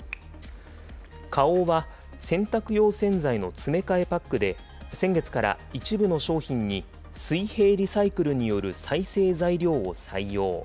花王は洗濯用洗剤の詰め替えパックで、先月から一部の商品に水平リサイクルによる再生材料を採用。